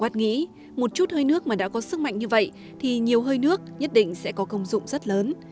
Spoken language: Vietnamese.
watt nghĩ một chút hơi nước mà đã có sức mạnh như vậy thì nhiều hơi nước nhất định sẽ có công dụng rất lớn